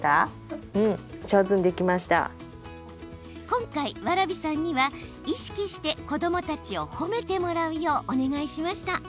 今回、蕨さんには、意識して子どもたちを褒めてもらうようお願いしました。